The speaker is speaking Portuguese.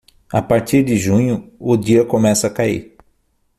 A partir de junho, o dia começa a cair.